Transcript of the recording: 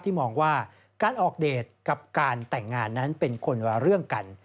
มองว่าการออกเดทกับการแต่งงานนั้นเป็นคนละเรื่องกัน